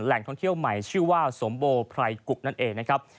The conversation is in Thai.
ท่องเที่ยวใหม่ชื่อว่าสมโบไพรกุกนั่นเองนะครับ